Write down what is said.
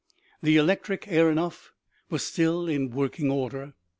The electric aeronef was still in working order.